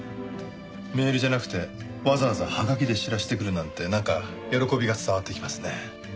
メールじゃなくてわざわざハガキで知らせてくるなんてなんか喜びが伝わってきますね。